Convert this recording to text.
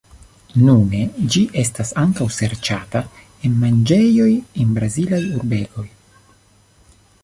Nune ĝi estas ankaŭ serĉata en manĝejoj en Brazilaj urbegoj.